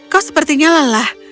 kau sepertinya lelah